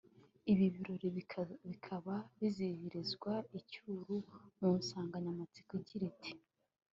Ibi birori bikaba bizizihirizwa i Cyuru mu nsanganyamatsiko igira iti